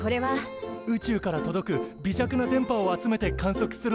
宇宙から届く微弱な電波を集めて観測するんですよね？